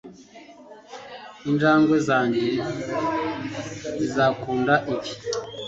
Injangwe zanjye zizakunda ibi